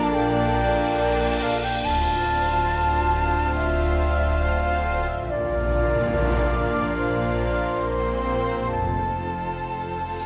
ini bisa beneran